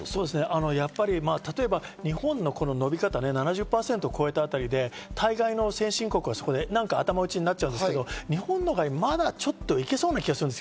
例えば日本の伸び方７０％を超えたあたりで大概の先進国は頭打ちになっちゃうんですけど、日本の場合まだちょっと行けそうな気がする。